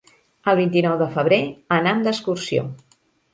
El vint-i-nou de febrer anam d'excursió.